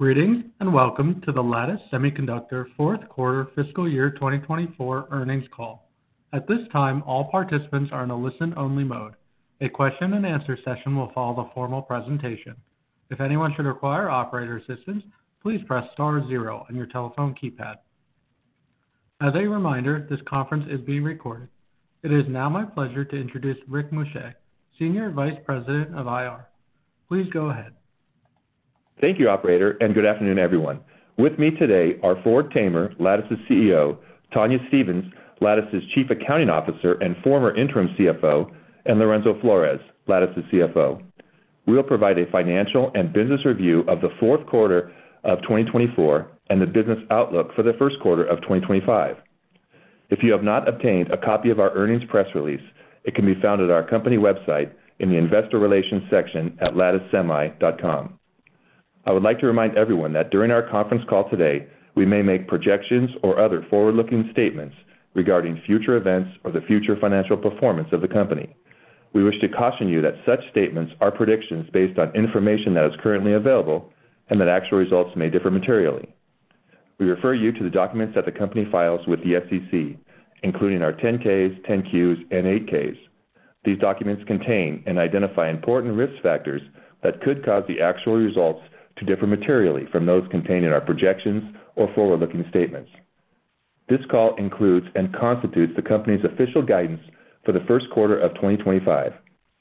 Greetings and welcome to the Lattice Semiconductor Fourth Quarter Fiscal Year 2024 Earnings Call. At this time, all participants are in a listen-only mode. A question-and-answer session will follow the formal presentation. If anyone should require operator assistance, please press star zero on your telephone keypad. As a reminder, this conference is being recorded. It is now my pleasure to introduce Rick Muscha, Senior Vice President of IR. Please go ahead. Thank you, Operator, and good afternoon, everyone. With me today are Ford Tamer, Lattice's CEO; Tonya Stevens, Lattice's Chief Accounting Officer and former interim CFO; and Lorenzo Flores, Lattice's CFO. We'll provide a financial and business review of the fourth quarter of 2024 and the business outlook for the first quarter of 2025. If you have not obtained a copy of our earnings press release, it can be found at our company website in the Investor Relations section at latticesemi.com. I would like to remind everyone that during our conference call today, we may make projections or other forward-looking statements regarding future events or the future financial performance of the company. We wish to caution you that such statements are predictions based on information that is currently available and that actual results may differ materially. We refer you to the documents that the company files with the SEC, including our 10-Ks, 10-Qs, and 8-Ks. These documents contain and identify important risk factors that could cause the actual results to differ materially from those contained in our projections or forward-looking statements. This call includes and constitutes the company's official guidance for the first quarter of 2025.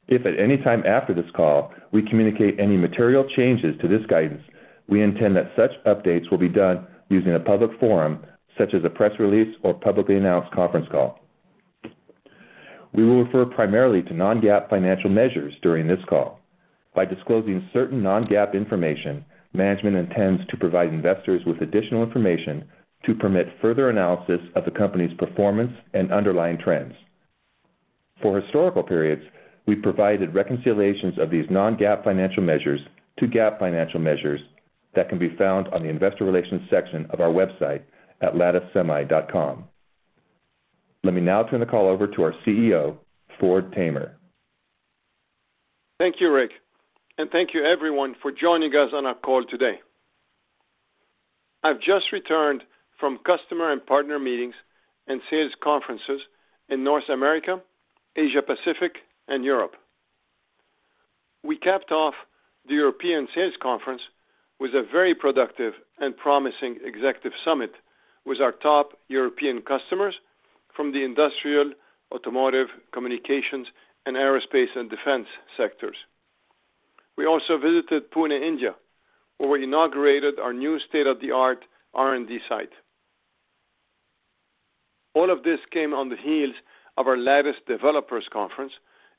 If at any time after this call we communicate any material changes to this guidance, we intend that such updates will be done using a public forum such as a press release or publicly announced conference call. We will refer primarily to non-GAAP financial measures during this call. By disclosing certain non-GAAP information, management intends to provide investors with additional information to permit further analysis of the company's performance and underlying trends. For historical periods, we've provided reconciliations of these non-GAAP financial measures to GAAP financial measures that can be found on the Investor Relations section of our website at latticesemi.com. Let me now turn the call over to our CEO, Ford Tamer. Thank you, Rick, and thank you everyone for joining us on our call today. I've just returned from customer and partner meetings and sales conferences in North America, Asia-Pacific, and Europe. We capped off the European Sales Conference with a very productive and promising executive summit with our top European customers from the industrial, automotive, communications, and aerospace and defense sectors. We also visited Pune, India, where we inaugurated our new state-of-the-art R&D site. All of this came on the heels of our Lattice Developers Conference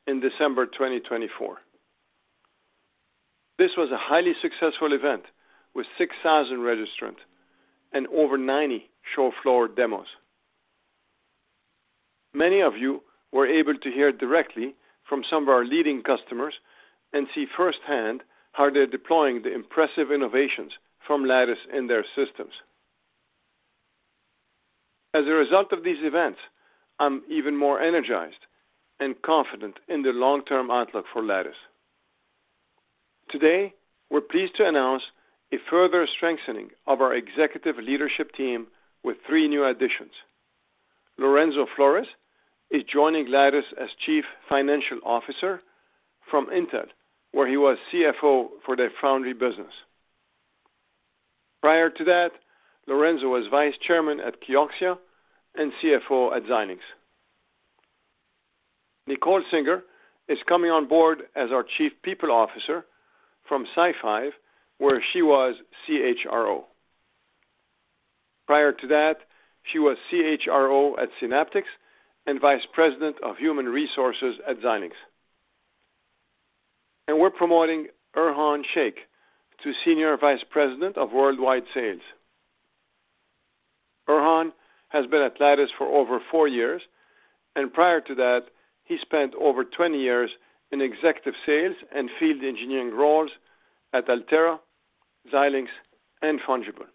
in December 2024. This was a highly successful event with 6,000 registrants and over 90 show floor demos. Many of you were able to hear directly from some of our leading customers and see firsthand how they're deploying the impressive innovations from Lattice in their systems. As a result of these events, I'm even more energized and confident in the long-term outlook for Lattice. Today, we're pleased to announce a further strengthening of our executive leadership team with three new additions. Lorenzo Flores is joining Lattice as Chief Financial Officer from Intel, where he was CFO for their Foundry business. Prior to that, Lorenzo was Vice Chairman at Kioxia and CFO at Xilinx. Nicole Singer is coming on board as our Chief People Officer from SiFive, where she was CHRO. Prior to that, she was CHRO at Synaptics and Vice President of Human Resources at Xilinx. And we're promoting Erhan Shaikh to Senior Vice President of Worldwide Sales. Erhan has been at Lattice for over four years, and prior to that, he spent over 20 years in executive sales and field engineering roles at Altera, Xilinx, and Fungible.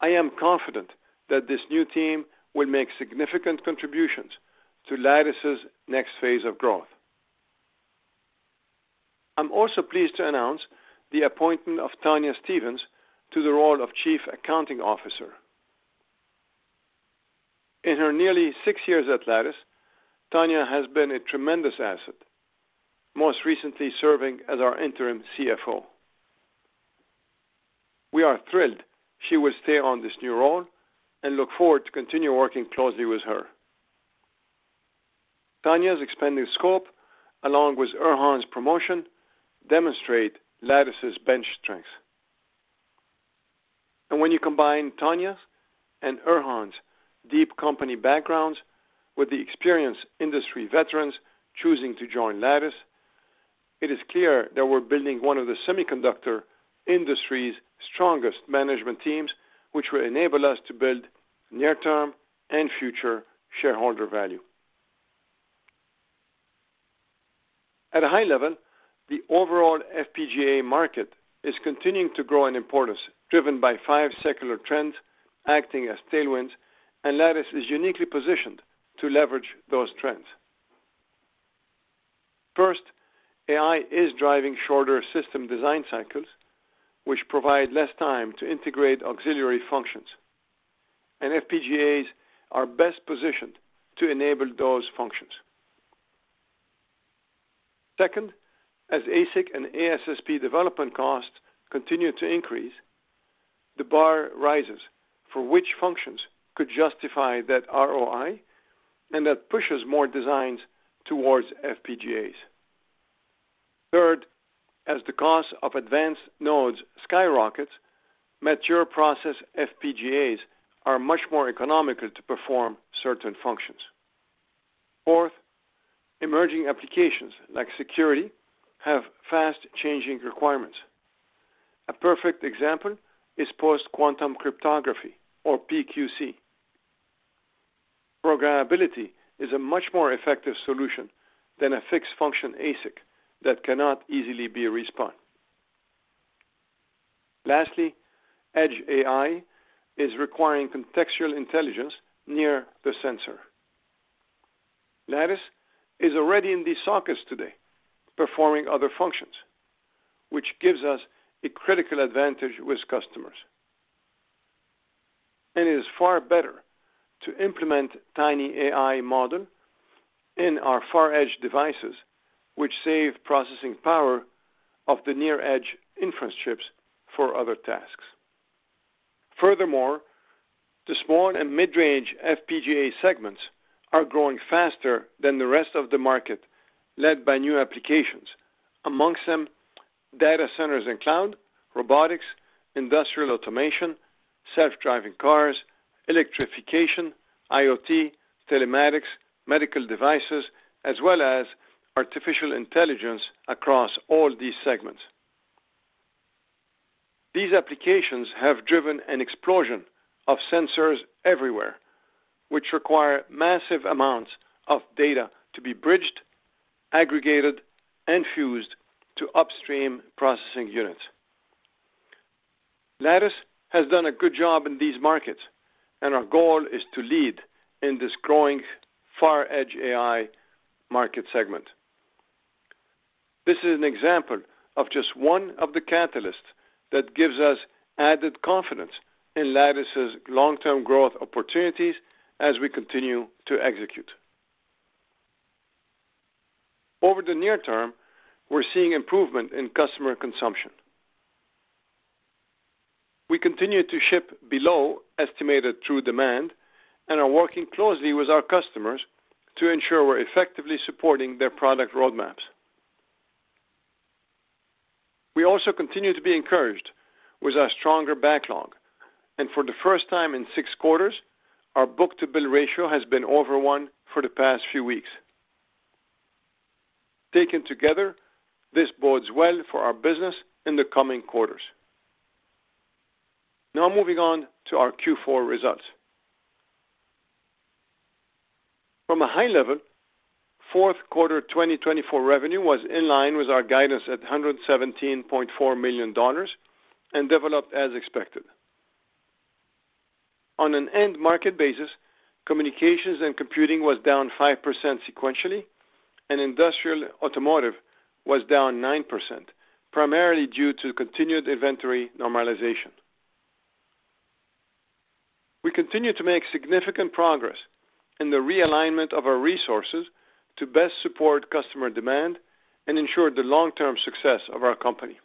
I am confident that this new team will make significant contributions to Lattice's next phase of growth. I'm also pleased to announce the appointment of Tonya Stevens to the role of Chief Accounting Officer. In her nearly six years at Lattice, Tonya has been a tremendous asset, most recently serving as our interim CFO. We are thrilled she will stay on this new role and look forward to continuing to work closely with her. Tonya's expanding scope, along with Erhan's promotion, demonstrates Lattice's bench strength. And when you combine Tonya's and Erhan's deep company backgrounds with the experienced industry veterans choosing to join Lattice, it is clear that we're building one of the semiconductor industry's strongest management teams, which will enable us to build near-term and future shareholder value. At a high level, the overall FPGA market is continuing to grow in importance, driven by five secular trends acting as tailwinds, and Lattice is uniquely positioned to leverage those trends. First, AI is driving shorter system design cycles, which provide less time to integrate auxiliary functions, and FPGAs are best positioned to enable those functions. Second, as ASIC and ASSP development costs continue to increase, the bar rises for which functions could justify that ROI, and that pushes more designs towards FPGAs. Third, as the cost of advanced nodes skyrockets, mature process FPGAs are much more economical to perform certain functions. Fourth, emerging applications like security have fast-changing requirements. A perfect example is post-quantum cryptography, or PQC. Programmability is a much more effective solution than a fixed-function ASIC that cannot easily be respun. Lastly, edge AI is requiring Contextual Intelligence near the sensor. Lattice is already in these sockets today, performing other functions, which gives us a critical advantage with customers. It is far better to implement tiny AI models in our far-edge devices, which save processing power off the near-edge inference chips for other tasks. Furthermore, the small and mid-range FPGA segments are growing faster than the rest of the market, led by new applications, among them data centers and cloud, robotics, industrial automation, self-driving cars, electrification, IoT, telematics, medical devices, as well as artificial intelligence across all these segments. These applications have driven an explosion of sensors everywhere, which require massive amounts of data to be bridged, aggregated, and fused to upstream processing units. Lattice has done a good job in these markets, and our goal is to lead in this growing far-edge AI market segment. This is an example of just one of the catalysts that gives us added confidence in Lattice's long-term growth opportunities as we continue to execute. Over the near term, we're seeing improvement in customer consumption. We continue to ship below estimated true demand and are working closely with our customers to ensure we're effectively supporting their product roadmaps. We also continue to be encouraged with our stronger backlog, and for the first time in six quarters, our book-to-bill ratio has been over one for the past few weeks. Taken together, this bodes well for our business in the coming quarters. Now moving on to our Q4 results. From a high level, fourth quarter 2024 revenue was in line with our guidance at $117.4 million and developed as expected. On an end-market basis, communications and computing was down 5% sequentially, and industrial automotive was down 9%, primarily due to continued inventory normalization. We continue to make significant progress in the realignment of our resources to best support customer demand and ensure the long-term success of our company.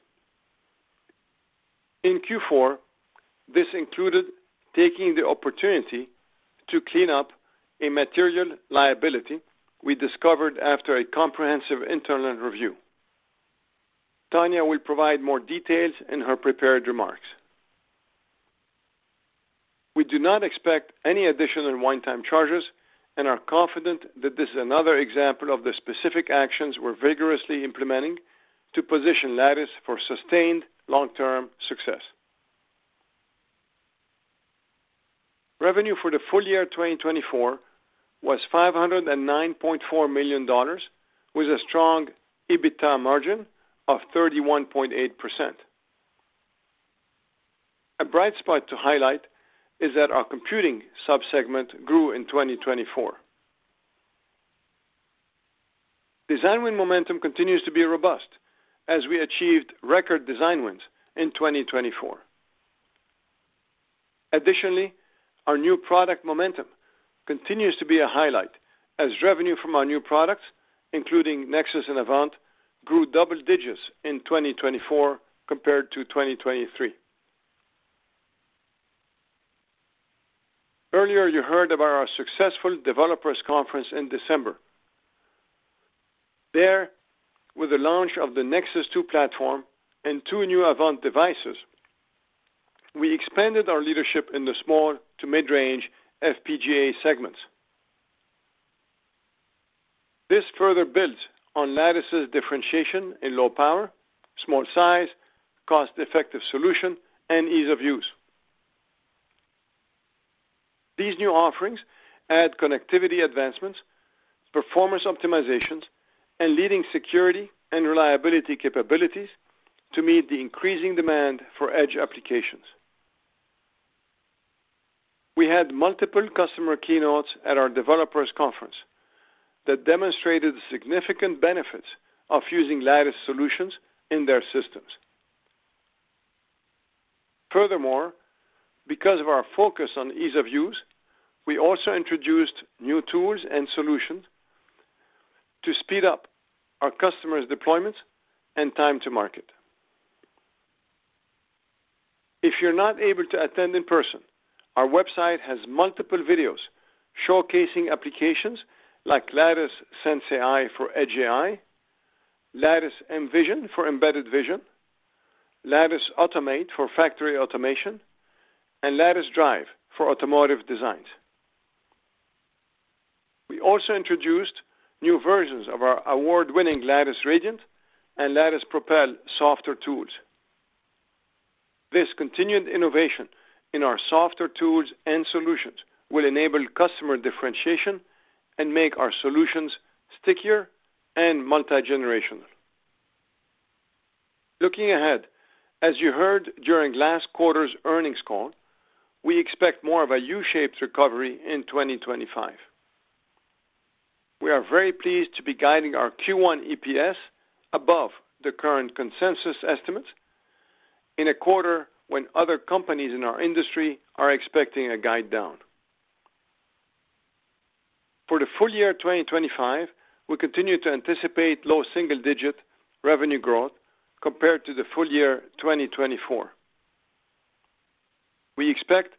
In Q4, this included taking the opportunity to clean up a material liability we discovered after a comprehensive internal review. Tonya will provide more details in her prepared remarks. We do not expect any additional one-time charges and are confident that this is another example of the specific actions we're vigorously implementing to position Lattice for sustained long-term success. Revenue for the full year 2024 was $509.4 million, with a strong EBITDA margin of 31.8%. A bright spot to highlight is that our computing subsegment grew in 2024. Design win momentum continues to be robust as we achieved record design wins in 2024. Additionally, our new product momentum continues to be a highlight as revenue from our new products, including Nexus and Avant, grew double digits in 2024 compared to 2023. Earlier, you heard about our successful Developers Conference in December. There, with the launch of the Nexus 2 platform and two new Avant devices, we expanded our leadership in the small to mid-range FPGA segments. This further builds on Lattice's differentiation in low power, small size, cost-effective solution, and ease of use. These new offerings add connectivity advancements, performance optimizations, and leading security and reliability capabilities to meet the increasing demand for edge applications. We had multiple customer keynotes at our Developers Conference that demonstrated the significant benefits of using Lattice solutions in their systems. Furthermore, because of our focus on ease of use, we also introduced new tools and solutions to speed up our customers' deployments and time to market. If you're not able to attend in person, our website has multiple videos showcasing applications like Lattice sensAI for edge AI, Lattice mVision for embedded vision, Lattice Automate for factory automation, and Lattice Drive for automotive designs. We also introduced new versions of our award-winning Lattice Radiant and Lattice Propel software tools. This continued innovation in our software tools and solutions will enable customer differentiation and make our solutions stickier and multi-generational. Looking ahead, as you heard during last quarter's earnings call, we expect more of a U-shaped recovery in 2025. We are very pleased to be guiding our Q1 EPS above the current consensus estimates in a quarter when other companies in our industry are expecting a guide down. For the full year 2025, we continue to anticipate low single-digit revenue growth compared to the full year 2024. We expect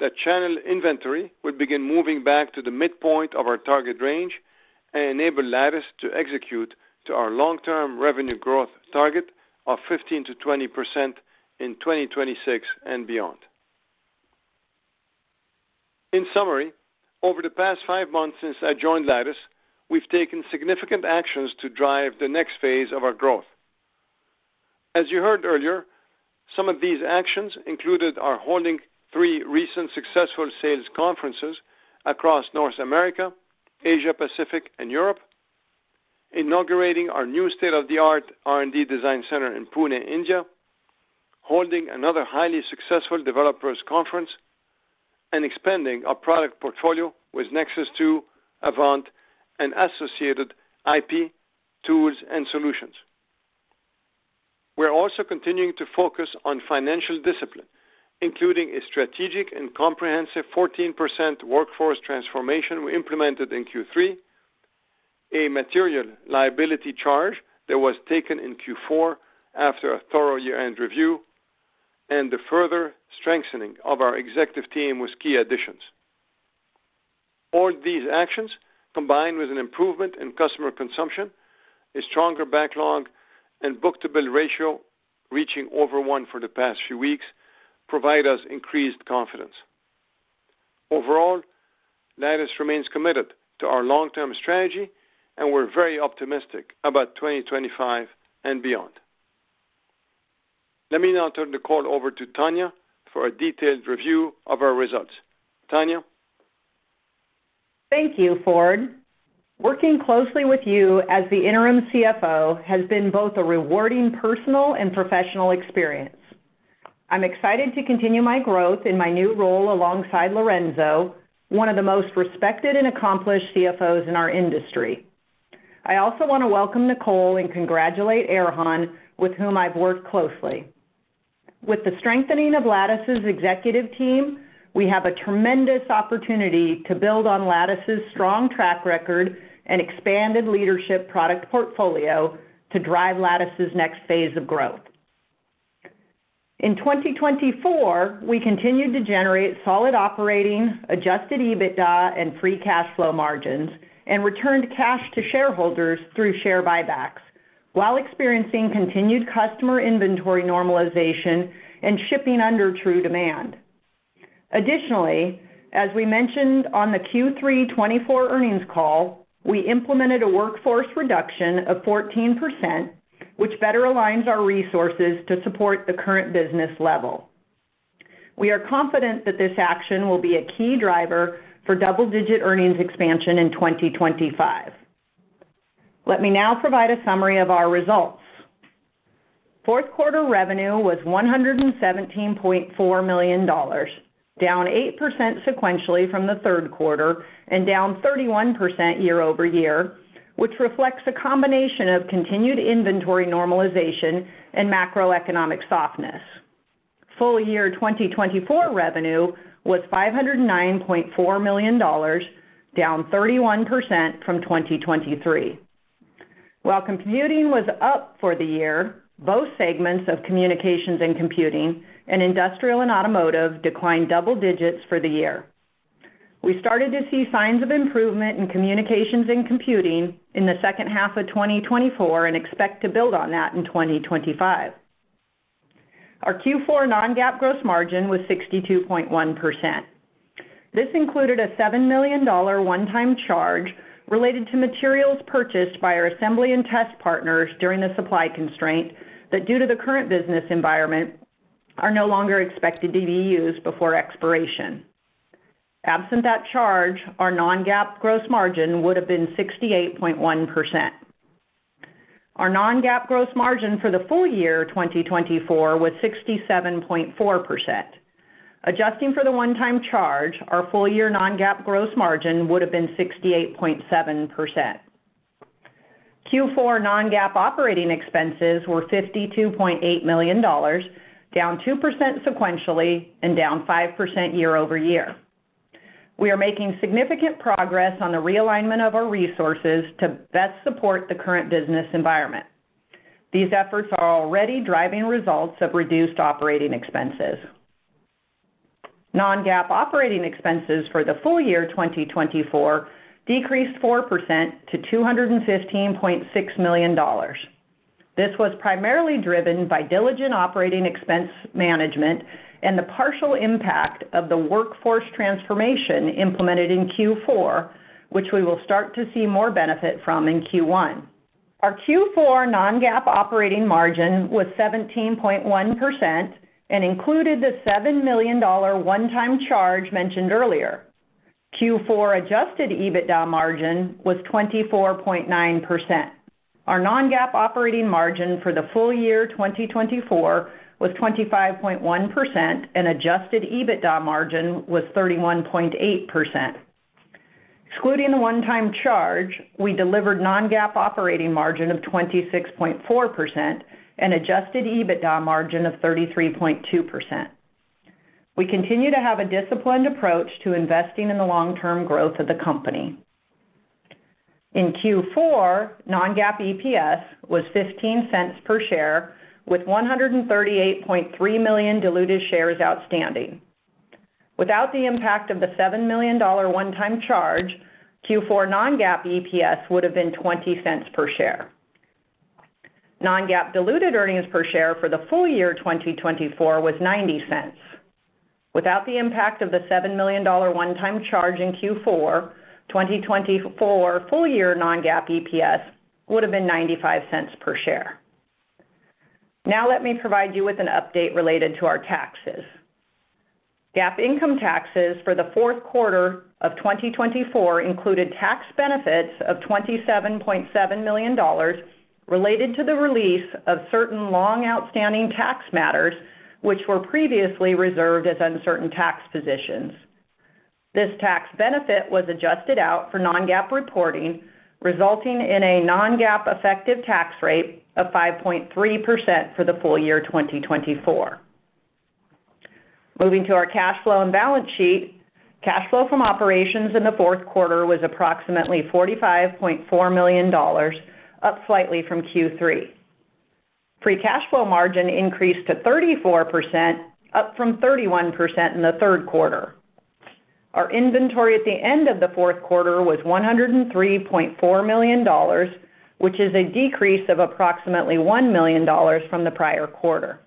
that channel inventory will begin moving back to the midpoint of our target range and enable Lattice to execute to our long-term revenue growth target of 15% to 20% in 2026 and beyond. In summary, over the past five months since I joined Lattice, we've taken significant actions to drive the next phase of our growth. As you heard earlier, some of these actions included our holding three recent successful sales conferences across North America, Asia-Pacific, and Europe, inaugurating our new state-of-the-art R&D design center in Pune, India, holding another highly successful Developers Conference, and expanding our product portfolio with Nexus 2, Avant, and associated IP tools and solutions. We're also continuing to focus on financial discipline, including a strategic and comprehensive 14% workforce transformation we implemented in Q3, a material liability charge that was taken in Q4 after a thorough year-end review, and the further strengthening of our executive team with key additions. All these actions, combined with an improvement in customer consumption, a stronger backlog, and book-to-bill ratio reaching over one for the past few weeks, provide us increased confidence. Overall, Lattice remains committed to our long-term strategy, and we're very optimistic about 2025 and beyond. Let me now turn the call over to Tonya for a detailed review of our results. Tonya. Thank you, Ford. Working closely with you as the interim CFO has been both a rewarding personal and professional experience. I'm excited to continue my growth in my new role alongside Lorenzo, one of the most respected and accomplished CFOs in our industry. I also want to welcome Nicole and congratulate Erhan, with whom I've worked closely. With the strengthening of Lattice's executive team, we have a tremendous opportunity to build on Lattice's strong track record and expanded leadership product portfolio to drive Lattice's next phase of growth. In 2024, we continued to generate solid operating, adjusted EBITDA, and free cash flow margins, and returned cash to shareholders through share buybacks, while experiencing continued customer inventory normalization and shipping under true demand. Additionally, as we mentioned on the Q3 2024 earnings call, we implemented a workforce reduction of 14%, which better aligns our resources to support the current business level. We are confident that this action will be a key driver for double-digit earnings expansion in 2025. Let me now provide a summary of our results. Fourth quarter revenue was $117.4 million, down 8% sequentially from the third quarter and down 31% year-over-year, which reflects a combination of continued inventory normalization and macroeconomic softness. Full year 2024 revenue was $509.4 million, down 31% from 2023. While computing was up for the year, both segments of communications and computing, and industrial and automotive, declined double digits for the year. We started to see signs of improvement in communications and computing in the second half of 2024 and expect to build on that in 2025. Our Q4 non-GAAP gross margin was 62.1%. This included a $7 million one-time charge related to materials purchased by our assembly and test partners during a supply constraint that, due to the current business environment, are no longer expected to be used before expiration. Absent that charge, our non-GAAP gross margin would have been 68.1%. Our non-GAAP gross margin for the full year 2024 was 67.4%. Adjusting for the one-time charge, our full year non-GAAP gross margin would have been 68.7%. Q4 non-GAAP operating expenses were $52.8 million, down 2% sequentially and down 5% year-over-year. We are making significant progress on the realignment of our resources to best support the current business environment. These efforts are already driving results of reduced operating expenses. Non-GAAP operating expenses for the full year 2024 decreased 4% to $215.6 million. This was primarily driven by diligent operating expense management and the partial impact of the workforce transformation implemented in Q4, which we will start to see more benefit from in Q1. Our Q4 non-GAAP operating margin was 17.1% and included the $7 million one-time charge mentioned earlier. Q4 adjusted EBITDA margin was 24.9%. Our non-GAAP operating margin for the full year 2024 was 25.1%, and adjusted EBITDA margin was 31.8%. Excluding the one-time charge, we delivered non-GAAP operating margin of 26.4% and adjusted EBITDA margin of 33.2%. We continue to have a disciplined approach to investing in the long-term growth of the company. In Q4, non-GAAP EPS was $0.15 per share, with 138.3 million diluted shares outstanding. Without the impact of the $7 million one-time charge, Q4 non-GAAP EPS would have been $0.20 per share. Non-GAAP diluted earnings per share for the full year 2024 was $0.90. Without the impact of the $7 million one-time charge in Q4, 2024 full year non-GAAP EPS would have been $0.95 per share. Now let me provide you with an update related to our taxes. GAAP income taxes for the fourth quarter of 2024 included tax benefits of $27.7 million related to the release of certain long outstanding tax matters, which were previously reserved as uncertain tax positions. This tax benefit was adjusted out for non-GAAP reporting, resulting in a non-GAAP effective tax rate of 5.3% for the full year 2024. Moving to our cash flow and balance sheet, cash flow from operations in the fourth quarter was approximately $45.4 million, up slightly from Q3. Free cash flow margin increased to 34%, up from 31% in the third quarter. Our inventory at the end of the fourth quarter was $103.4 million, which is a decrease of approximately $1 million from the prior quarter.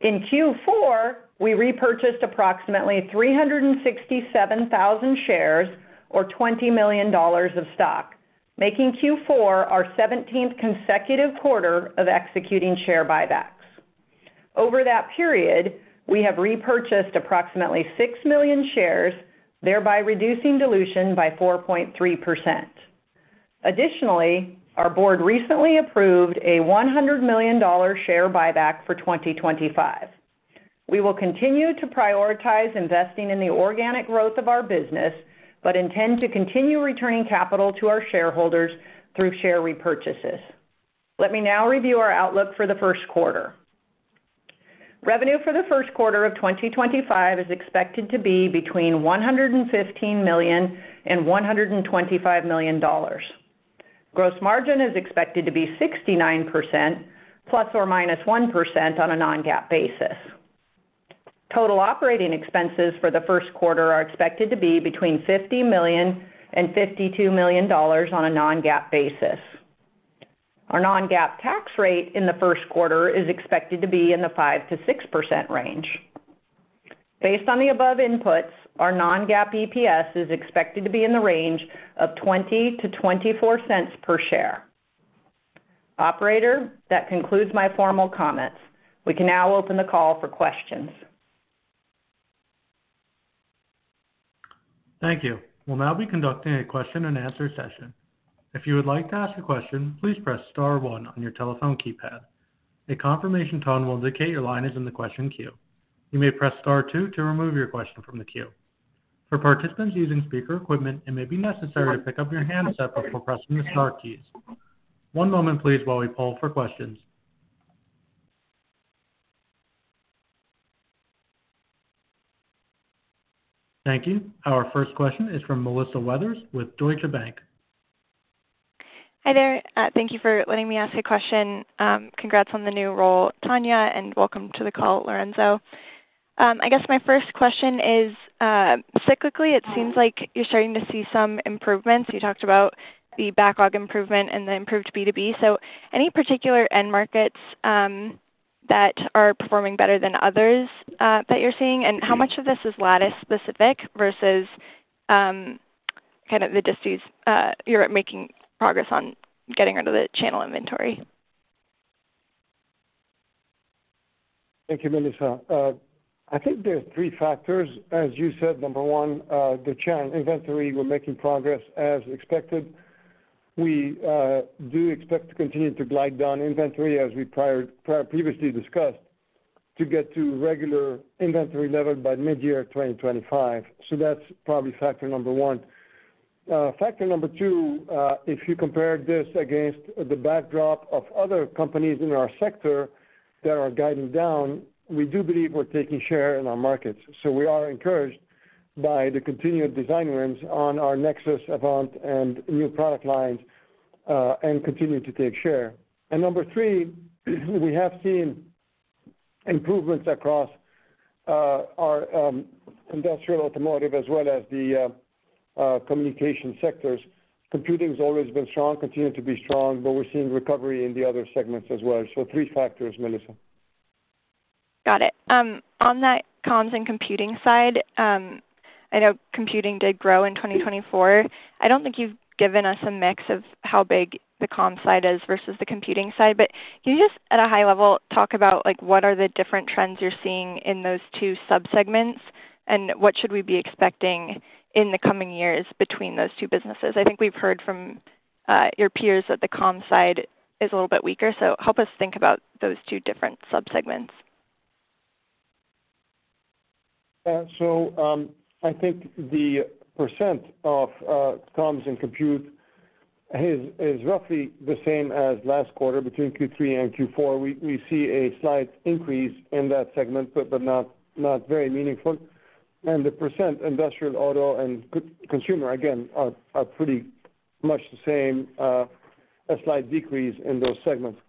In Q4, we repurchased approximately 367,000 shares, or $20 million of stock, making Q4 our 17th consecutive quarter of executing share buybacks. Over that period, we have repurchased approximately six million shares, thereby reducing dilution by 4.3%. Additionally, our board recently approved a $100 million share buyback for 2025. We will continue to prioritize investing in the organic growth of our business, but intend to continue returning capital to our shareholders through share repurchases. Let me now review our outlook for the first quarter. Revenue for the first quarter of 2025 is expected to be between $115 million and $125 million. Gross margin is expected to be 69%, plus or minus 1% on a non-GAAP basis. Total operating expenses for the first quarter are expected to be between $50 million and $52 million on a non-GAAP basis. Our non-GAAP tax rate in the first quarter is expected to be in the 5% to 6% range. Based on the above inputs, our non-GAAP EPS is expected to be in the range of $0.20 to $0.24 per share. Operator, that concludes my formal comments. We can now open the call for questions. Thank you. We'll now be conducting a question-and-answer session. If you would like to ask a question, please press Star 1 on your telephone keypad. A confirmation tone will indicate your line is in the question queue. You may press Star 2 to remove your question from the queue. For participants using speaker equipment, it may be necessary to pick up your handset before pressing the Star keys. One moment, please, while we poll for questions. Thank you. Our first question is from Melissa Weathers with Deutsche Bank. Hi there. Thank you for letting me ask a question. Congrats on the new role, Tonya, and welcome to the call, Lorenzo. I guess my first question is, cyclically, it seems like you're starting to see some improvements. You talked about the backlog improvement and the improved B2B. So any particular end markets that are performing better than others that you're seeing? And how much of this is Lattice-specific versus kind of the distance you're making progress on getting rid of the channel inventory? Thank you, Melissa. I think there are three factors. As you said, number one, the channel inventory, we're making progress as expected. We do expect to continue to glide down inventory, as we previously discussed, to get to regular inventory level by mid-year 2025. So that's probably factor number one. Factor number two, if you compare this against the backdrop of other companies in our sector that are guiding down, we do believe we're taking share in our markets. So we are encouraged by the continued design wins on our Nexus, Avant, and new product lines, and continue to take share. And number three, we have seen improvements across our industrial automotive as well as the communication sectors. Computing has always been strong, continues to be strong, but we're seeing recovery in the other segments as well. So three factors, Melissa. Got it. On that comms and computing side, I know computing did grow in 2024. I don't think you've given us a mix of how big the comms side is versus the computing side, but can you just, at a high level, talk about what are the different trends you're seeing in those two subsegments and what should we be expecting in the coming years between those two businesses? I think we've heard from your peers that the comms side is a little bit weaker, so help us think about those two different subsegments. So I think the percent of comms and compute is roughly the same as last quarter between Q3 and Q4. We see a slight increase in that segment, but not very meaningful. And the percent industrial, auto, and consumer, again, are pretty much the same, a slight decrease in those segments.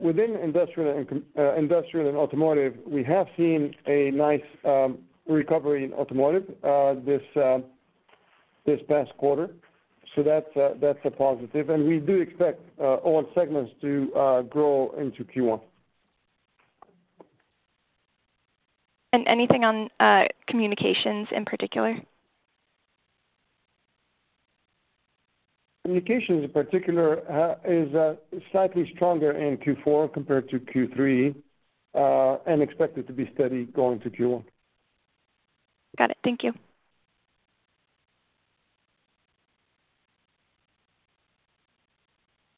Within industrial and automotive, we have seen a nice recovery in automotive this past quarter. So that's a positive. And we do expect all segments to grow into Q1. And anything on communications in particular? Communications in particular is slightly stronger in Q4 compared to Q3 and expected to be steady going to Q1. Got it. Thank you.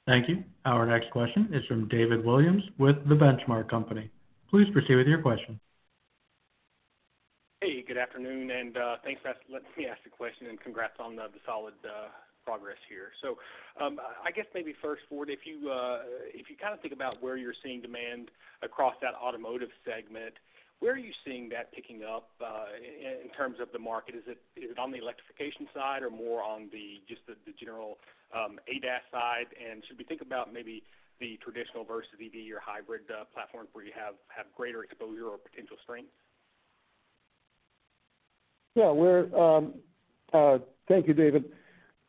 Thank you. Our next question is from David Williams with the Benchmark Company. Please proceed with your question. Hey, good afternoon, and thanks for asking me to ask a question and congrats on the solid progress here. So I guess maybe first, Ford, if you kind of think about where you're seeing demand across that automotive segment, where are you seeing that picking up in terms of the market? Is it on the electrification side or more on just the general ADAS side? And should we think about maybe the traditional versus EV or hybrid platforms where you have greater exposure or potential strengths? Yeah. Thank you, David.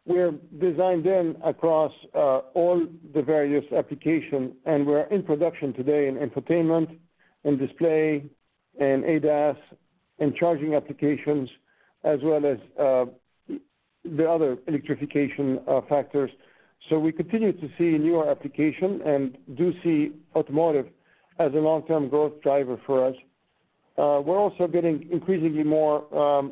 We're designed in across all the various applications, and we're in production today in infotainment and display and ADAS and charging applications, as well as the other electrification factors. So we continue to see newer applications and do see automotive as a long-term growth driver for us. We're also getting increasingly more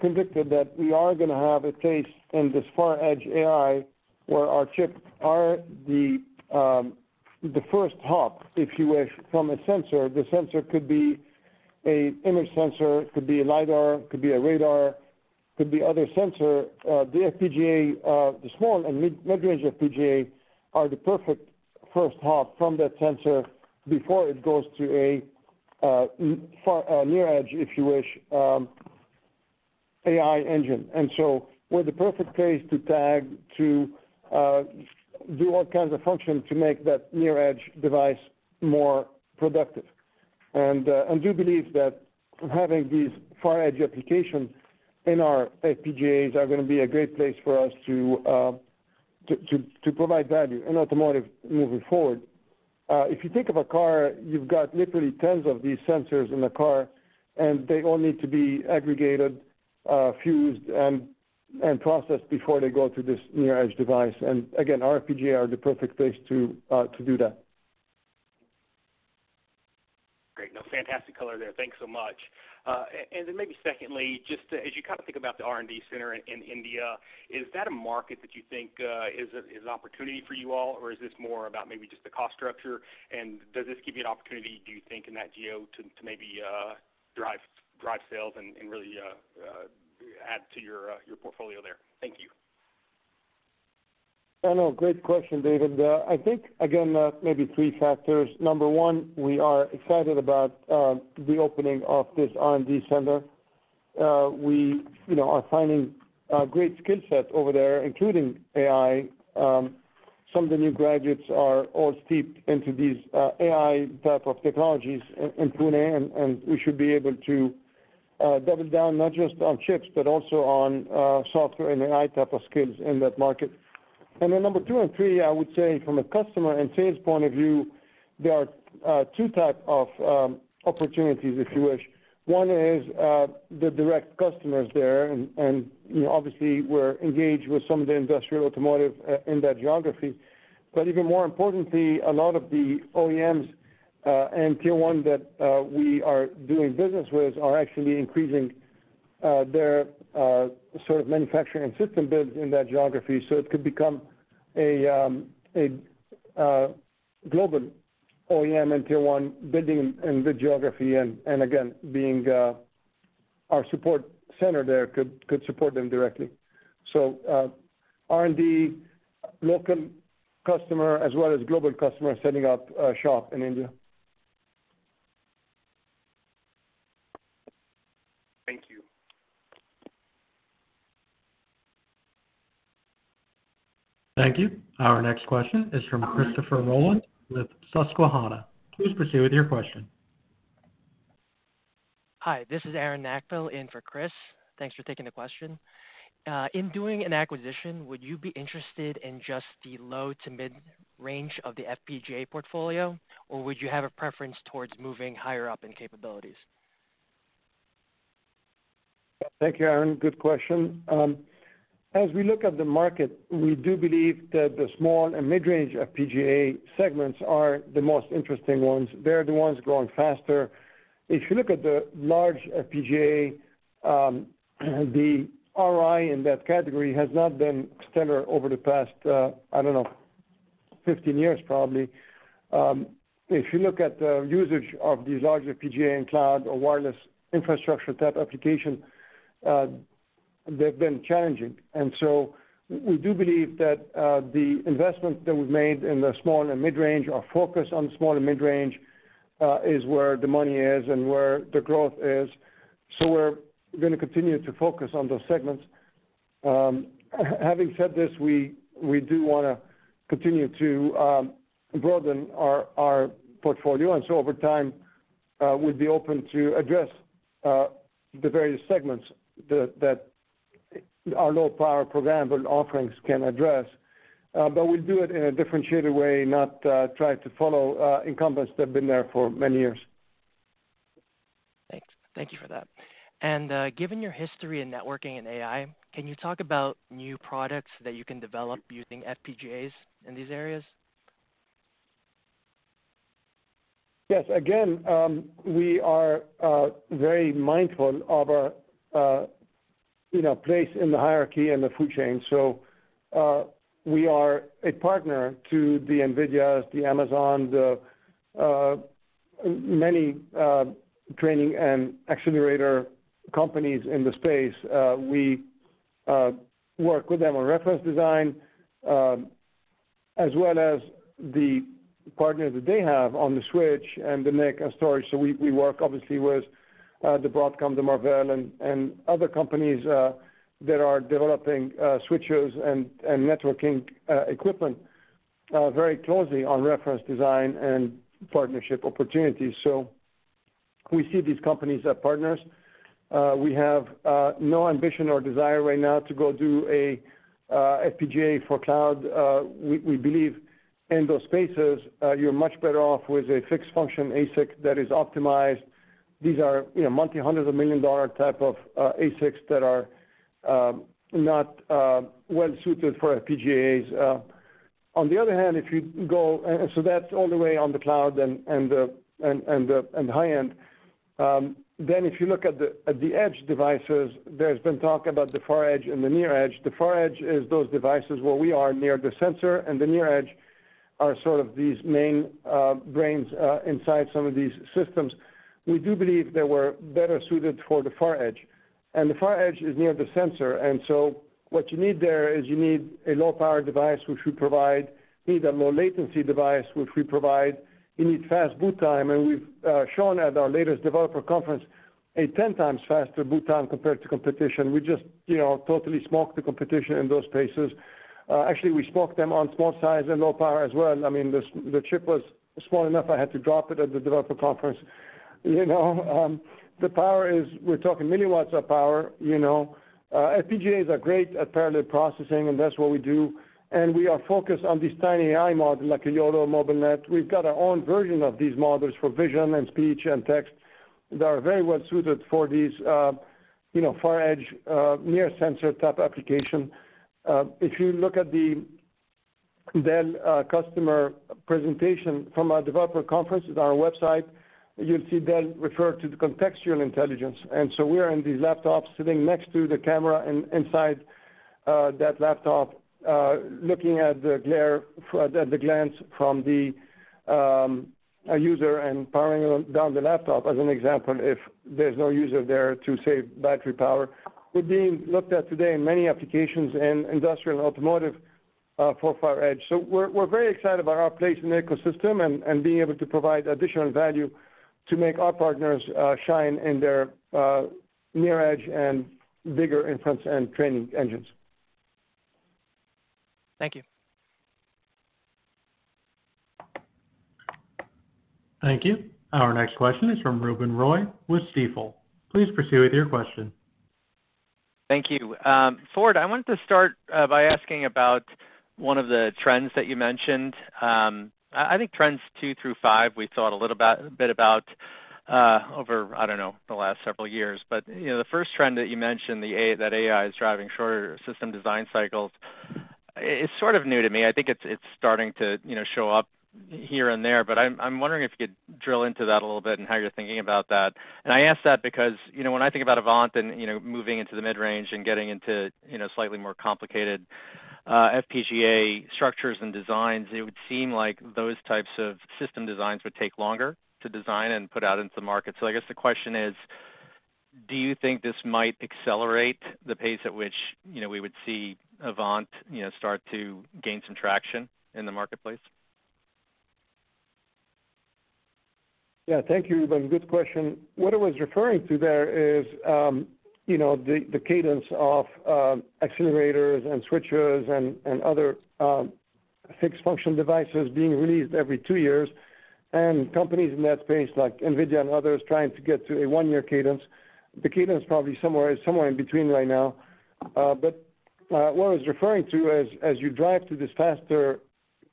convinced that we are going to have a stake in this far-edge AI where our chips are the first hop, if you wish, from a sensor. The sensor could be an image sensor, could be a LiDAR, could be a radar, could be other sensor. The FPGA, the small and mid-range FPGA, are the perfect first hop from that sensor before it goes to a near-edge, if you wish, AI engine. And so we're the perfect place to do all kinds of functions to make that near-edge device more productive. And I do believe that having these far-edge applications in our FPGAs are going to be a great place for us to provide value in automotive moving forward. If you think of a car, you've got literally tens of these sensors in the car, and they all need to be aggregated, fused, and processed before they go to this near-edge device. And again, our FPGAs are the perfect place to do that. Great. No, fantastic color there. Thanks so much. And then maybe secondly, just as you kind of think about the R&D center in India, is that a market that you think is an opportunity for you all, or is this more about maybe just the cost structure? And does this give you an opportunity, do you think, in that geo to maybe drive sales and really add to your portfolio there? Thank you. I know. Great question, David. I think, again, maybe three factors. Number one, we are excited about the opening of this R&D center. We are finding a great skill set over there, including AI. Some of the new graduates are all steeped into these AI type of technologies in Pune, and we should be able to double down not just on chips, but also on software and AI type of skills in that market, and then number two and three, I would say from a customer and sales point of view, there are two types of opportunities, if you wish, one is the direct customers there, and obviously, we're engaged with some of the industrial automotive in that geography, but even more importantly, a lot of the OEMs and Tier 1 that we are doing business with are actually increasing their sort of manufacturing and system builds in that geography, so it could become a global OEM and Tier 1 building in the geography. And again, our support center there could support them directly. So R&D, local customer, as well as global customer setting up a shop in India. Thank you. Thank you. Our next question is from Christopher Rolland with Susquehanna. Please proceed with your question. Hi, this is Aaron Kankel in for Chris. Thanks for taking the question. In doing an acquisition, would you be interested in just the low to mid-range of the FPGA portfolio, or would you have a preference towards moving higher up in capabilities? Thank you, Aaron. Good question. As we look at the market, we do believe that the small and mid-range FPGA segments are the most interesting ones. They're the ones growing faster. If you look at the large FPGA, the ROI in that category has not been stellar over the past, I don't know, 15 years, probably. If you look at the usage of these larger FPGA and cloud or wireless infrastructure type applications, they've been challenging. And so we do believe that the investment that we've made in the small and mid-range or focus on small and mid-range is where the money is and where the growth is. So we're going to continue to focus on those segments. Having said this, we do want to continue to broaden our portfolio. And so over time, we'd be open to address the various segments that our low-power program and offerings can address. But we'll do it in a differentiated way, not try to follow incumbents that have been there for many years. Thank you for that. And given your history in networking and AI, can you talk about new products that you can develop using FPGAs in these areas? Yes. Again, we are very mindful of our place in the hierarchy and the food chain. So we are a partner to the NVIDIAs, the Amazon, the many training and accelerator companies in the space. We work with them on reference design, as well as the partners that they have on the switch and the NIC and storage. So we work, obviously, with the Broadcom, the Marvell, and other companies that are developing switches and networking equipment very closely on reference design and partnership opportunities. So we see these companies as partners. We have no ambition or desire right now to go do an FPGA for cloud. We believe in those spaces, you're much better off with a fixed-function ASIC that is optimized. These are multi-hundreds of million dollar type of ASICs that are not well suited for FPGAs. On the other hand, if you go so that's all the way on the cloud and the high-end. Then if you look at the edge devices, there's been talk about the far edge and the near edge. The far edge is those devices where we are near the sensor, and the near edge are sort of these main brains inside some of these systems. We do believe they were better suited for the far edge. And the far edge is near the sensor. And so what you need there is you need a low-power device, which we provide. You need a low-latency device, which we provide. You need fast boot time. And we've shown at our latest developer conference a 10 times faster boot time compared to competition. We just totally smoked the competition in those spaces. Actually, we smoked them on small size and low power as well. I mean, the chip was small enough I had to drop it at the developer conference. The power is, we're talking milliwatts of power. FPGAs are great at parallel processing, and that's what we do. And we are focused on these tiny AI models like a YOLO MobileNet. We've got our own version of these models for vision and speech and text that are very well suited for these far-edge, near-sensor type applications. If you look at the Dell Customer Presentation from our developer conference at our website, you'll see Dell refer to the Contextual intelligence. And so we're in these laptops sitting next to the camera inside that laptop, looking at the glare, at the glance from the user and powering down the laptop as an example if there's no user there to save battery power. We're being looked at today in many applications in industrial and automotive for far edge. So we're very excited about our place in the ecosystem and being able to provide additional value to make our partners shine in their near-edge and bigger inference and training engines. Thank you. Thank you. Our next question is from Ruben Roy with Stifel. Please proceed with your question. Thank you. Ford, I wanted to start by asking about one of the trends that you mentioned. I think trends two through five, we thought a little bit about over, I don't know, the last several years. But the first trend that you mentioned, that AI is driving shorter system design cycles, it's sort of new to me. I think it's starting to show up here and there, but I'm wondering if you could drill into that a little bit and how you're thinking about that. And I ask that because when I think about Avant and moving into the mid-range and getting into slightly more complicated FPGA structures and designs, it would seem like those types of system designs would take longer to design and put out into the market. So I guess the question is, do you think this might accelerate the pace at which we would see Avant start to gain some traction in the marketplace? Yeah. Thank you, Ruben. Good question. What I was referring to there is the cadence of accelerators and switches and other fixed-function devices being released every two years. And companies in that space like NVIDIA and others trying to get to a one-year cadence. The cadence probably somewhere is in between right now. What I was referring to is as you drive to this faster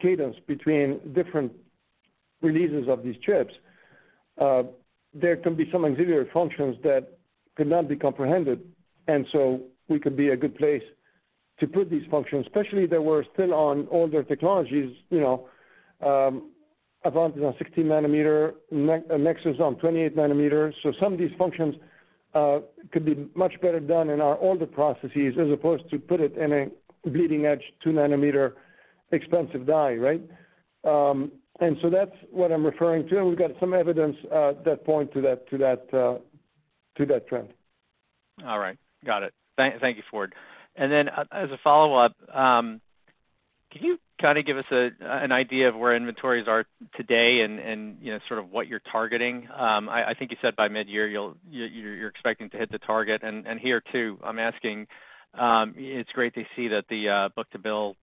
cadence between different releases of these chips, there can be some offload functions that could not be accommodated. And so we could be a good place to put these functions, especially that we're still on older technologies. Avant is on 16-nanometer, Nexus is on 28-nanometer. So some of these functions could be much better done in our older processes as opposed to put it in a bleeding-edge 2-nanometer expensive die, right? And so that's what I'm referring to. And we've got some evidence that point to that trend. All right. Got it. Thank you, Ford. And then as a follow-up, can you kind of give us an idea of where inventories are today and sort of what you're targeting? I think you said by mid-year you're expecting to hit the target. And here too, I'm asking. It's great to see that the book-to-bill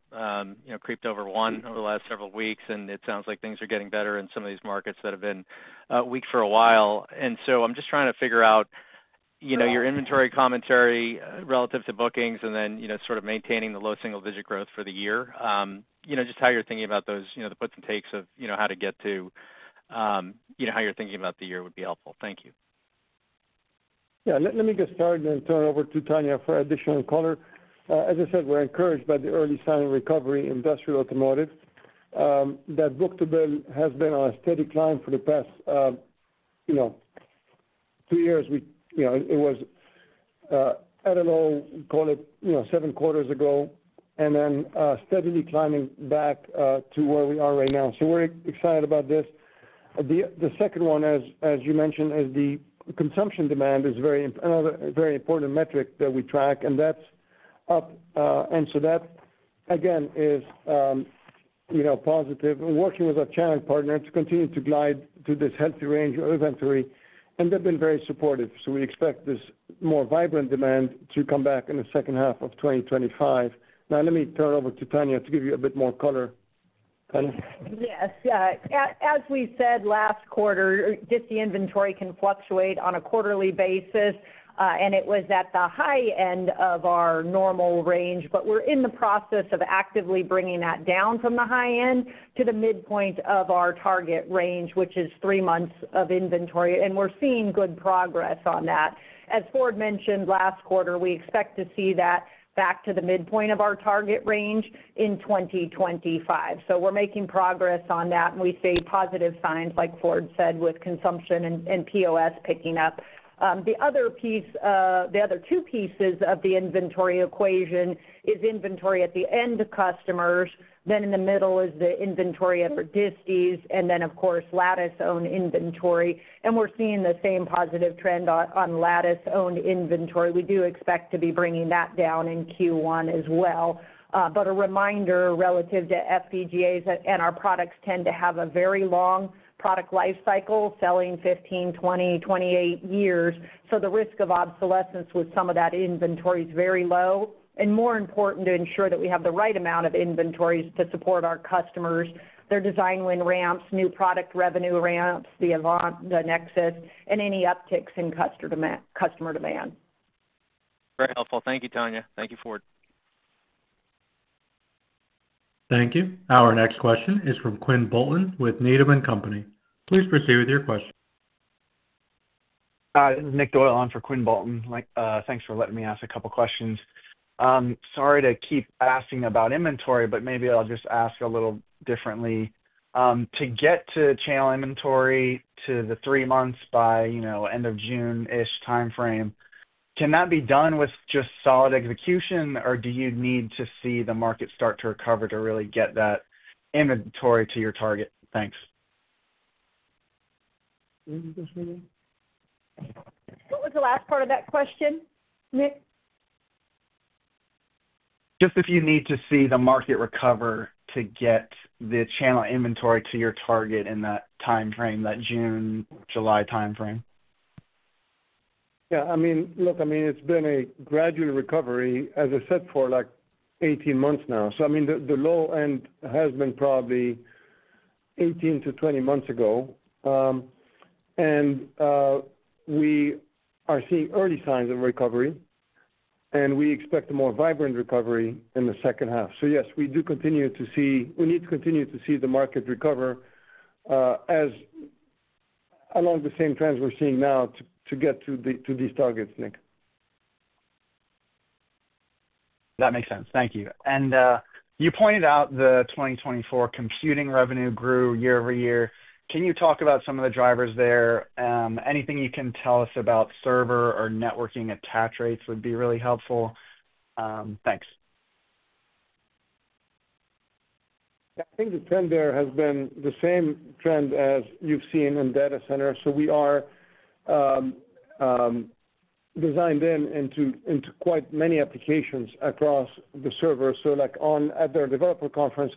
crept over one over the last several weeks, and it sounds like things are getting better in some of these markets that have been weak for a while. And so I'm just trying to figure out your inventory commentary relative to bookings and then sort of maintaining the low single-digit growth for the year. Just how you're thinking about those, the puts and takes of how to get to how you're thinking about the year would be helpful. Thank you. Yeah. Let me get started and turn over to Tonya for additional color. As I said, we're encouraged by the early sign of recovery in industrial automotive. That book-to-bill has been a steady climb for the past two years. It was at a low, call it seven quarters ago, and then steadily climbing back to where we are right now. So we're excited about this. The second one, as you mentioned, is the consumption demand is another very important metric that we track, and that's up. And so that, again, is positive. We're working with our channel partner to continue to glide to this healthy range of inventory, and they've been very supportive. So we expect this more vibrant demand to come back in the second half of 2025. Now, let me turn over to Tonya to give you a bit more color. Yes. As we said last quarter, just the inventory can fluctuate on a quarterly basis, and it was at the high end of our normal range, but we're in the process of actively bringing that down from the high end to the midpoint of our target range, which is three months of inventory, and we're seeing good progress on that. As Ford mentioned last quarter, we expect to see that back to the midpoint of our target range in 2025. We're making progress on that, and we see positive signs, like Ford said, with consumption and POS picking up. The other two pieces of the inventory equation is inventory at the end customers, then in the middle is the inventory of our disties, and then, of course, Lattice-owned inventory. We're seeing the same positive trend on Lattice-owned inventory. We do expect to be bringing that down in Q1 as well. But a reminder relative to FPGAs and our products tend to have a very long product life cycle, selling 15, 20, 28 years. So the risk of obsolescence with some of that inventory is very low. And more important to ensure that we have the right amount of inventories to support our customers, their design win ramps, new product revenue ramps, the Avant, the Nexus, and any upticks in customer demand. Very helpful. Thank you, Tonya. Thank you, Ford. Thank you. Our next question is from Quinn Bolton with Needham & Company. Please proceed with your question. Hi. This is Nick Doyle on for Quinn Bolton. Thanks for letting me ask a couple of questions. Sorry to keep asking about inventory, but maybe I'll just ask a little differently. To get to channel inventory to the three months by end of June-ish timeframe, can that be done with just solid execution, or do you need to see the market start to recover to really get that inventory to your target? Thanks. What was the last part of that question, Nick? Just if you need to see the market recover to get the channel inventory to your target in that timeframe, that June-July timeframe. Yeah. I mean, look, I mean, it's been a gradual recovery, as I said, for like 18 months now. So I mean, the low end has been probably 18 to 20 months ago. And we are seeing early signs of recovery, and we expect a more vibrant recovery in the second half. So yes, we continue to see the market recover along the same trends we're seeing now to get to these targets, Nick. That makes sense. Thank you. And you pointed out the 2024 computing revenue grew year over year. Can you talk about some of the drivers there? Anything you can tell us about server or networking attach rates would be really helpful. Thanks. Yeah. I think the trend there has been the same trend as you've seen in data centers. So we are designed into quite many applications across the server. So at their developer conference,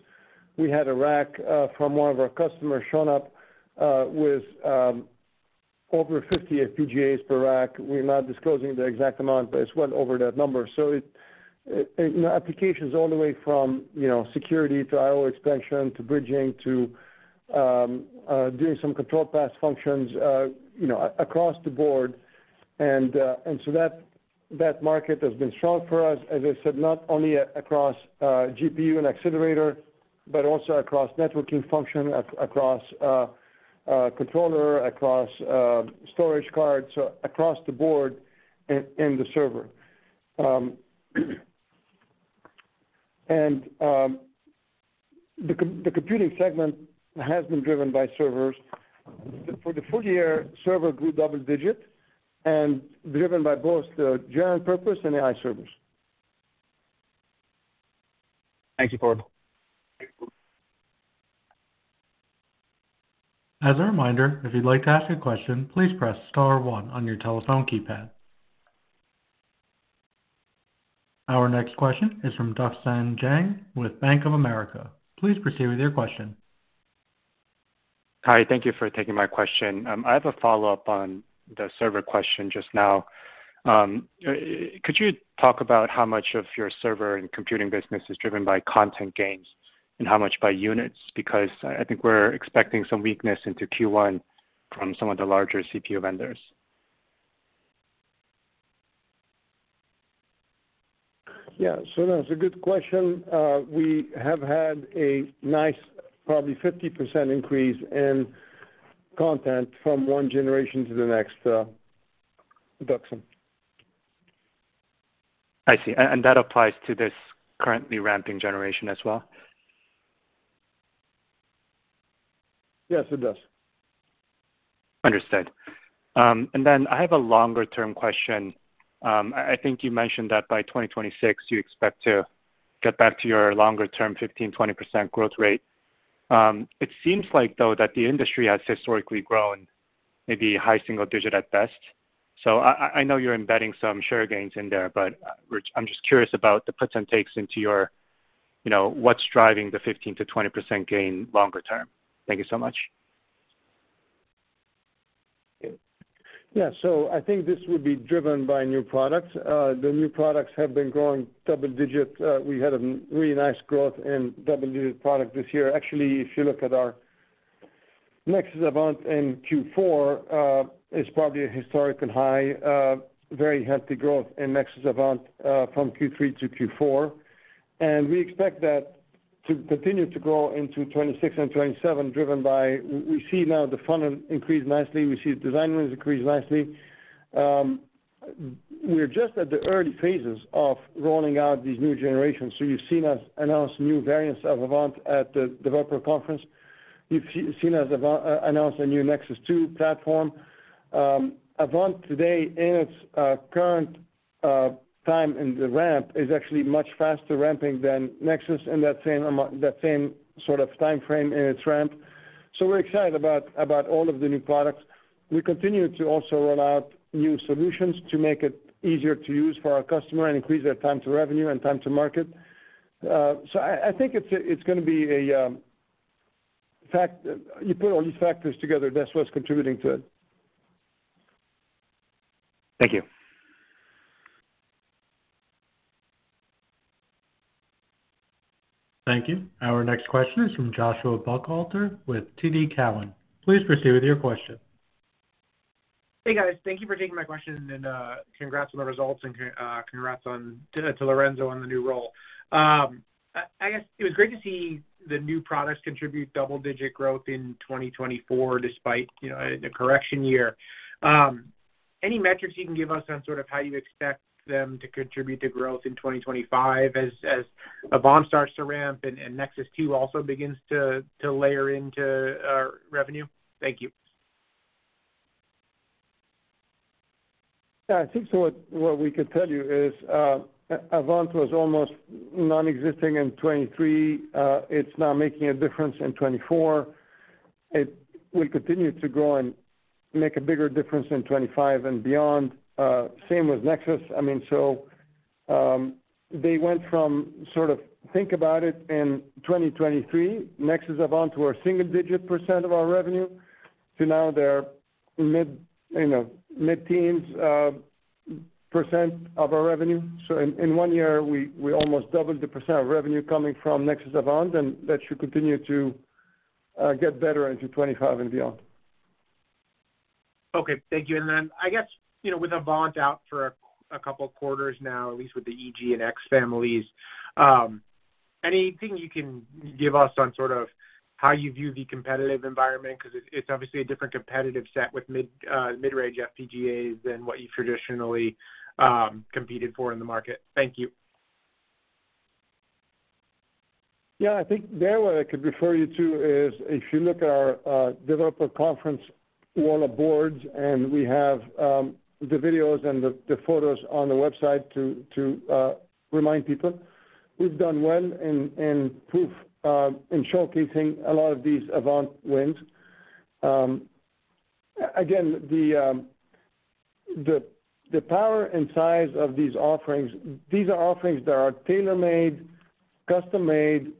we had a rack from one of our customers showing up with over 50 FPGAs per rack. We're not disclosing the exact amount, but it's well over that number. So applications all the way from security to I/O expansion to bridging to doing some control pass functions across the board. And so that market has been strong for us, as I said, not only across GPU and accelerator, but also across networking function, across controller, across storage cards, across the board and the server. And the computing segment has been driven by servers. For the full year, server grew double digit and driven by both the general purpose and AI servers. Thank you, Ford. As a reminder, if you'd like to ask a question, please press star one on your telephone keypad. Our next question is from Duksan Jang with Bank of America. Please proceed with your question. Hi. Thank you for taking my question. I have a follow-up on the server question just now. Could you talk about how much of your server and computing business is driven by content gains and how much by units? Because I think we're expecting some weakness into Q1 from some of the larger CPU vendors. Yeah. So that's a good question. We have had a nice probably 50% increase in content from one generation to the next, Duksan. I see. And that applies to this currently ramping generation as well? Yes, it does. Understood. And then I have a longer-term question. I think you mentioned that by 2026, you expect to get back to your longer-term 15%-20% growth rate. It seems like, though, that the industry has historically grown maybe high single digit at best. So I know you're embedding some share gains in there, but I'm just curious about the puts and takes into what's driving the 15%-20% gain longer term. Thank you so much. Yeah. So I think this would be driven by new products. The new products have been growing double digit. We had a really nice growth in double digit product this year. Actually, if you look at our Nexus and Avant in Q4, it's probably a historical high, very healthy growth in Nexus and Avant from Q3 to Q4. And we expect that to continue to grow into 2026 and 2027, driven by we see now the funnel increase nicely. We see design wins increase nicely. We're just at the early phases of rolling out these new generations. So you've seen us announce new variants of Avant at the developer conference. You've seen us announce a new Nexus 2 platform. Avant today, in its current time in the ramp, is actually much faster ramping than Nexus in that same sort of timeframe in its ramp. So we're excited about all of the new products. We continue to also roll out new solutions to make it easier to use for our customer and increase their time to revenue and time to market. So I think it's going to be a fact. You put all these factors together, that's what's contributing to it. Thank you. Thank you. Our next question is from Joshua Buchalter with TD Cowen. Please proceed with your question. Hey, guys. Thank you for taking my question and congrats on the results and congrats to Lorenzo on the new role. I guess it was great to see the new products contribute double-digit growth in 2024 despite a correction year. Any metrics you can give us on sort of how you expect them to contribute to growth in 2025 as Avant starts to ramp and Nexus 2 also begins to layer into revenue? Thank you. Yeah. I think what we could tell you is Avant was almost nonexistent in 2023. It's now making a difference in 2024. It will continue to grow and make a bigger difference in 2025 and beyond. Same with Nexus. I mean, so they went from sort of think about it in 2023, Nexus and Avant to our single-digit percent of our revenue to now their mid-teens percent of our revenue. So in one year, we almost doubled the percent of revenue coming from Nexus and Avant, and that should continue to get better into 2025 and beyond. Okay. Thank you. And then I guess with Avant out for a couple of quarters now, at least with the E, G and X families, anything you can give us on sort of how you view the competitive environment? Because it's obviously a different competitive set with mid-range FPGAs than what you've traditionally competed for in the market. Thank you. Yeah. I think there what I could refer you to is if you look at our developer conference, we're on the boards, and we have the videos and the photos on the website to remind people. We've done well in showcasing a lot of these Avant wins. Again, the power and size of these offerings, these are offerings that are tailor-made, custom-made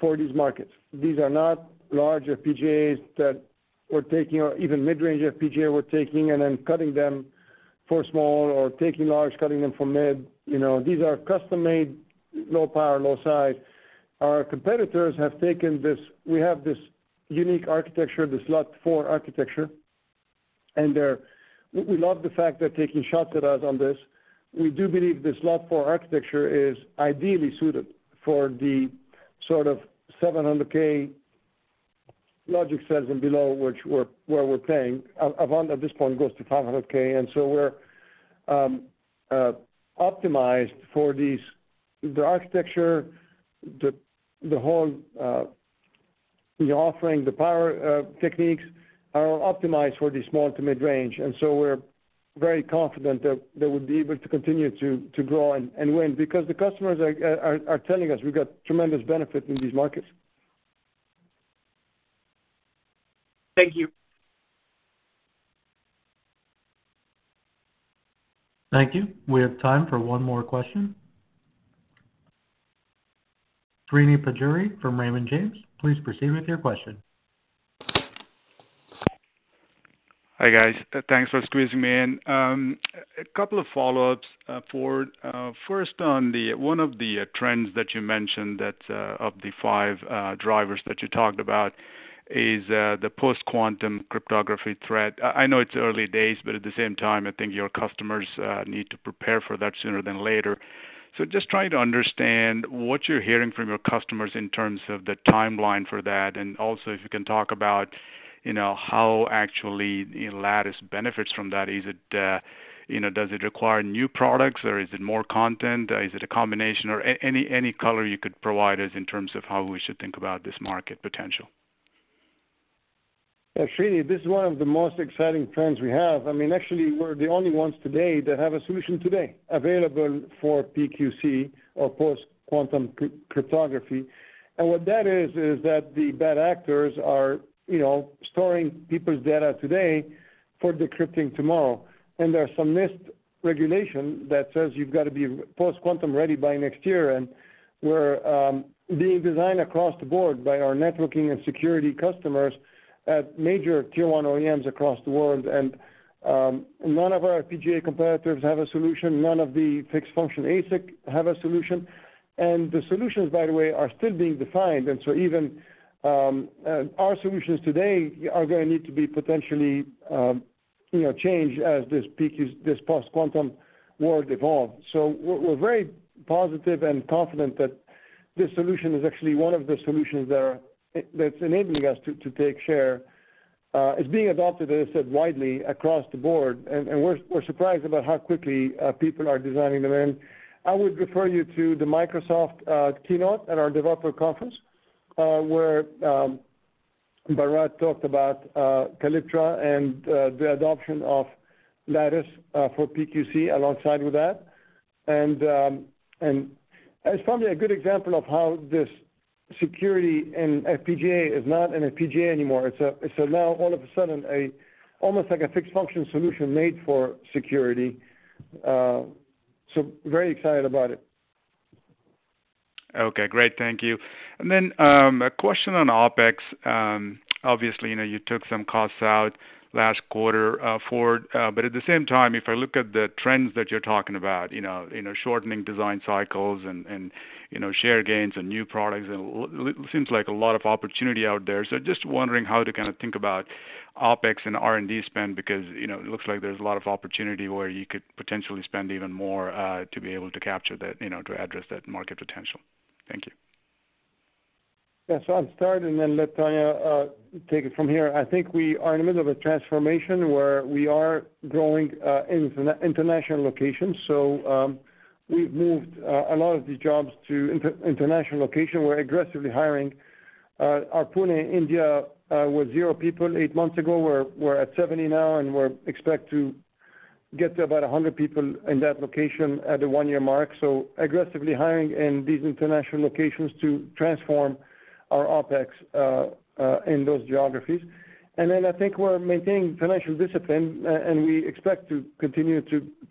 for these markets. These are not large FPGAs that we're taking, or even mid-range FPGA we're taking and then cutting them for small or taking large, cutting them for mid. These are custom-made, low power, low size. Our competitors have taken this. We have this unique architecture, the LUT4 Architecture. And we love the fact they're taking shots at us on this. We do believe the LUT4 Architecture is ideally suited for the sort of 700K logic cells and below, which we're playing. Avant at this point goes to 500K. And so we're optimized for the architecture, the whole offering, the power techniques are optimized for the small to mid-range. And so we're very confident that we'll be able to continue to grow and win because the customers are telling us we've got tremendous benefit in these markets. Thank you. Thank you. We have time for one more question. Srini Pajjuri from Raymond James. Please proceed with your question. Hi guys. Thanks for squeezing me in. A couple of follow-ups. Ford, first on one of the trends that you mentioned of the five drivers that you talked about is the Post-Quantum Cryptography threat. I know it's early days, but at the same time, I think your customers need to prepare for that sooner than later. So just trying to understand what you're hearing from your customers in terms of the timeline for that. And also, if you can talk about how actually Lattice benefits from that. Does it require new products, or is it more content? Is it a combination? Or any color you could provide us in terms of how we should think about this market potential. Yeah. Srini, this is one of the most exciting trends we have. I mean, actually, we're the only ones today that have a solution today available for PQC or post-quantum cryptography. And what that is, is that the bad actors are storing people's data today for decrypting tomorrow. And there's some NIST regulation that says you've got to be post-quantum ready by next year. And we're being designed across the board by our networking and security customers at major Tier 1 OEMs across the world. And none of our FPGA competitors have a solution. None of the fixed-function ASICs have a solution. And the solutions, by the way, are still being defined. And so even our solutions today are going to need to be potentially changed as this post-quantum world evolves. So we're very positive and confident that this solution is actually one of the solutions that's enabling us to take share. It's being adopted, as I said, widely across the board. And we're surprised about how quickly people are designing them in. I would refer you to the Microsoft keynote at our developer conference where Bharat talked about Caliptra and the adoption of Lattice for PQC alongside with that. And it's probably a good example of how this security and FPGA is not an FPGA anymore. It's now, all of a sudden, almost like a fixed-function solution made for security. So very excited about it. Okay. Great. Thank you. And then a question on OpEx. Obviously, you took some costs out last quarter, Ford. But at the same time, if I look at the trends that you're talking about, shortening design cycles and share gains and new products, it seems like a lot of opportunity out there. So just wondering how to kind of think about OpEx and R&D spend because it looks like there's a lot of opportunity where you could potentially spend even more to be able to capture that, to address that market potential. Thank you. Yeah. So I'll start and then let Tonya take it from here. I think we are in the middle of a transformation where we are growing in international locations. So we've moved a lot of the jobs to international location. We're aggressively hiring. Pune in India was zero people eight months ago. We're at 70 now, and we're expected to get to about 100 people in that location at the one-year mark. So aggressively hiring in these international locations to transform our OpEx in those geographies. And then I think we're maintaining financial discipline, and we expect to continue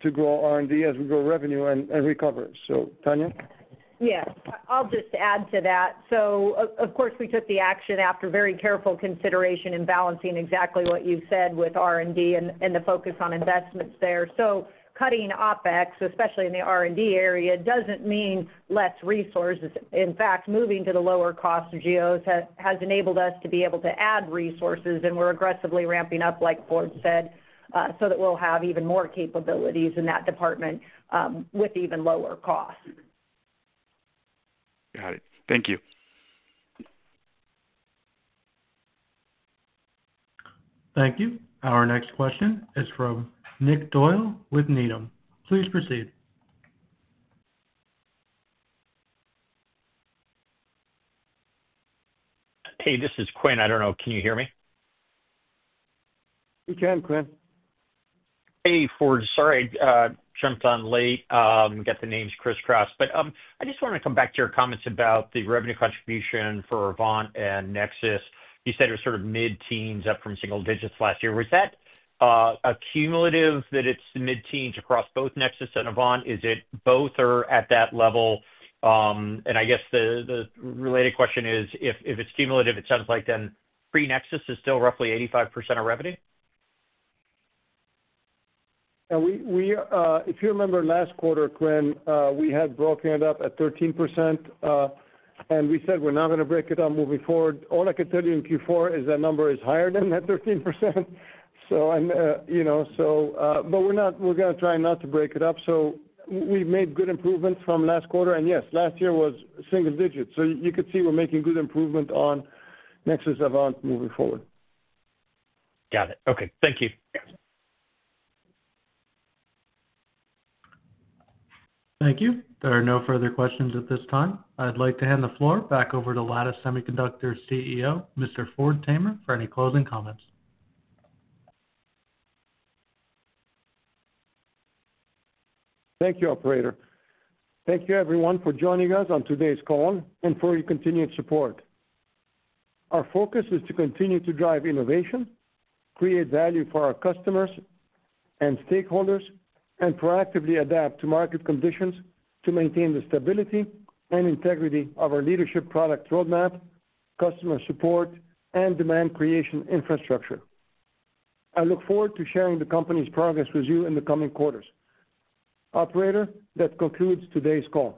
to grow R&D as we grow revenue and recover. So, Tonya? Yeah. I'll just add to that. So of course, we took the action after very careful consideration and balancing exactly what you've said with R&D and the focus on investments there. So cutting OpEx, especially in the R&D area, doesn't mean less resources. In fact, moving to the lower-cost geos has enabled us to be able to add resources, and we're aggressively ramping up, like Ford said, so that we'll have even more capabilities in that department with even lower costs. Got it. Thank you. Thank you. Our next question is from Nick Doyle with Needham. Please proceed. Hey, this is Quinn. I don't know. Can you hear me? You can, Quinn. Hey, Ford. Sorry I jumped on late. Got the names crisscrossed. But I just want to come back to your comments about the revenue contribution for Avant and Nexus. You said it was sort of mid-teens up from single digits last year. Was that a cumulative that it's mid-teens across both Nexus and Avant? Is it both or at that level? I guess the related question is, if it's cumulative, it sounds like then pre-Nexus is still roughly 85% of revenue? If you remember last quarter, Quinn, we had broken it up at 13%, and we said we're not going to break it up moving forward. All I could tell you in Q4 is that number is higher than that 13%. So but we're going to try not to break it up. So we've made good improvements from last quarter. And yes, last year was single digits. So you could see we're making good improvement on Nexus and Avant moving forward. Got it. Okay. Thank you. Thank you. There are no further questions at this time. I'd like to hand the floor back over to Lattice Semiconductor CEO, Mr. Ford Tamer, for any closing comments. Thank you, Operator. Thank you, everyone, for joining us on today's call and for your continued support. Our focus is to continue to drive innovation, create value for our customers and stakeholders, and proactively adapt to market conditions to maintain the stability and integrity of our leadership product roadmap, customer support, and demand creation infrastructure. I look forward to sharing the company's progress with you in the coming quarters. Operator, that concludes today's call.